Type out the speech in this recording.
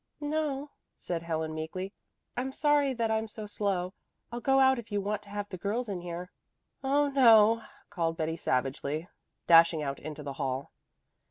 "No," said Helen meekly. "I'm sorry that I'm so slow. I'll go out if you want to have the girls in here." "Oh no," called Betty savagely, dashing out into the hall.